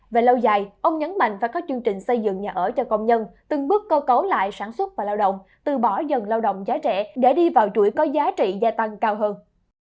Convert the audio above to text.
về lâu dài ông nhấn mạnh phải có chương trình xây dựng nhà ở cho công nhân từng bước cơ cấu lại sản xuất và lao động từ bỏ dần lao động giá trẻ để đi vào chuỗi có giá trị gia tăng cao hơn